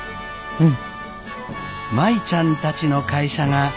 うん。